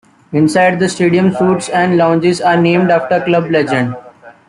Inside the stadium, suites and lounges are named after club legends.